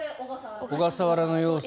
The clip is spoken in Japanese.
小笠原の様子